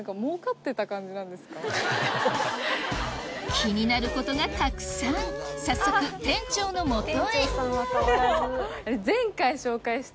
気になることがたくさん早速店長のもとへ前回紹介した。